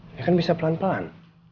ini kan bisa pelan pelan